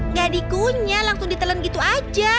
nggak dikunyah langsung ditelen gitu aja